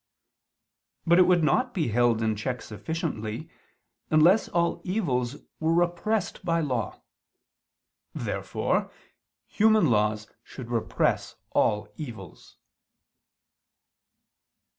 But it would not be held in check sufficiently, unless all evils were repressed by law. Therefore human laws should repress all evils.